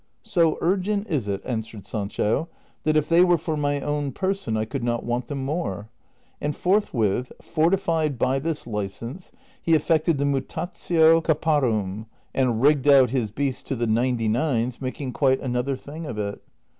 " So urgent is it," answered Sancho, " that if they were for ray own person I could not want them more ;" and forthwith, fortified by this license, he effected the mutatio eapptinim,^ and rigged out his beast to tlie ninety nines, making quite another thing of it.